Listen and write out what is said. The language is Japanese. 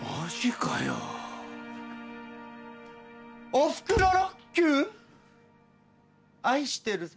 「おふくろロックユー」「愛しているぜ」